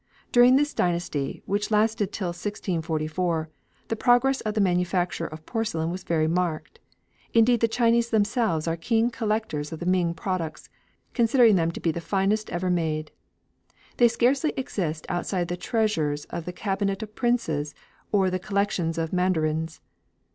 During this dynasty, which lasted till 1644, the progress of the manufacture of porcelain was very marked; indeed, the Chinese themselves are keen collectors of the Ming products, considering them to be the finest ever made. They scarcely exist outside the treasures of the cabinets of princes or of the collections of mandarins.